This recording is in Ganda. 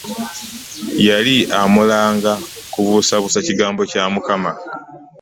Yali amulanga kubuusabuusa kigambo kya Mukama.